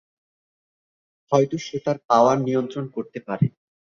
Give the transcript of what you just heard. হয়তো সে তার পাওয়ার নিয়ন্ত্রণ করতে পারে।